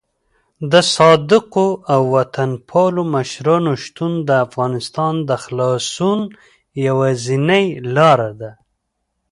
د صادقو او وطن پالو مشرانو شتون د افغانستان د خلاصون یوازینۍ لاره ده.